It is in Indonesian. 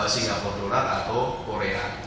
singapore dollar atau korea